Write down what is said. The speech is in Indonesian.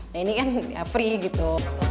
nah ini kan free gitu